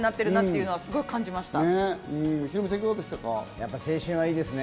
やっぱ青春はいいですね。